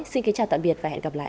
xin kính chào tạm biệt và hẹn gặp lại